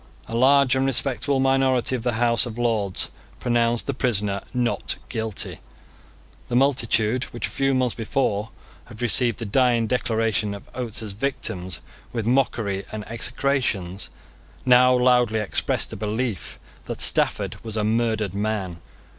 A large and respectable minority of the House of Lords pronounced the prisoner not guilty. The multitude, which a few months before had received the dying declarations of Oates's victims with mockery and execrations, now loudly expressed a belief that Stafford was a murdered man.